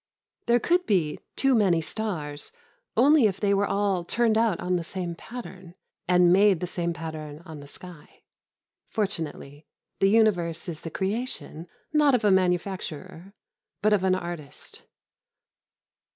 There could be too many stars only if they were all turned out on the same pattern, and made the same pattern on the sky. Fortunately, the universe is the creation not of a manufacturer but of an artist.